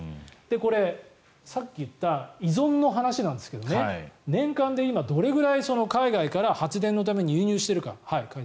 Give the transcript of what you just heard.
これ、さっき言った依存の話なんですが年間で今、どれくらい海外から発電のために輸入しているか。